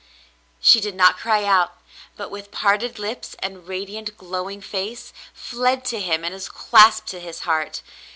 She did not cry out, but with parted lips and radiant, glowing face, fled to him and was clasped to his heart.